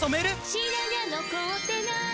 「白髪残ってない！」